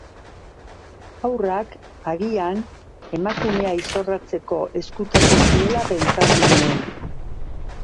Haurra, agian, emakumea izorratzeko ezkutatu zuela pentsatu nuen.